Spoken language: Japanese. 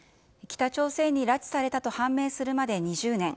北朝鮮に拉致されたと判明するまで２０年。